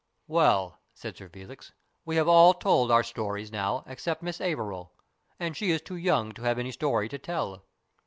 "Well," said Sir Felix, "we have all told our stories now except Miss Averil. And she is too young to have any story to tell."